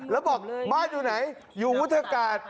แล้วบอกบ้านอยู่ไหนอยู่วุฒากาศ